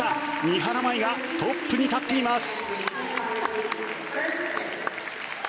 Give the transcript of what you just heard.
三原舞依がトップに立っています。